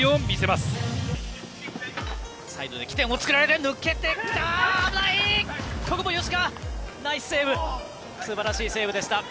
すばらしいセーブでした。